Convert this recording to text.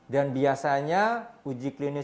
dan biasanya mereka harus melakukan uji klinis